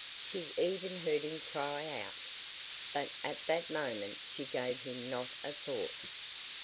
She even heard him cry out, but at that moment she gave him not a thought.